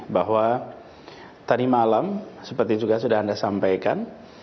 bahwa tadi malam seperti juga sudah anda sampaikan